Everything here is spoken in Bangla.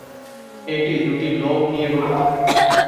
এটি দুটি লোব নিয়ে গঠিত।